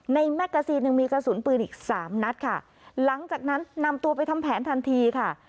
แมกกาซีนยังมีกระสุนปืนอีกสามนัดค่ะหลังจากนั้นนำตัวไปทำแผนทันทีค่ะ